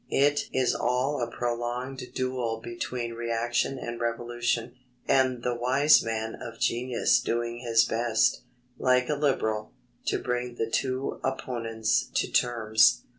It is all a prolonged duel between reaction and revolution, and the wise man of genius doing his best, like a Liberal, to bring the two opponents to terms.